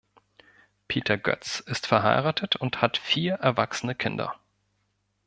Peter Götz ist verheiratet und hat vier erwachsene Kinder.